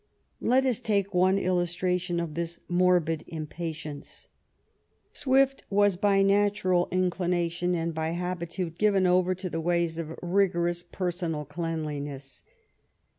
Let us take one illustration of this morbid im patience. Swift was by natural inclination and by habitude given over to the ways of rigorous personal cleanliness.